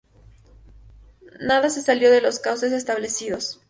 Nada se salió de los cauces establecidos.